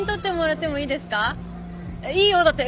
いいよだって。